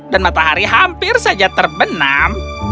dan matahari hampir saja terbenam